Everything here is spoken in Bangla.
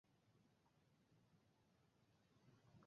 রোগীর সঙ্গে কতজন থাকতে পারবে, তার বাধ্যবাধকতাও আছে কোনো কোনো হাসপাতালে।